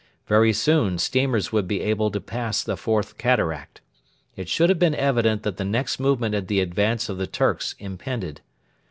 Very soon steamers would be able to pass the Fourth Cataract. It should have been evident that the next movement in the advance of the 'Turks' impended.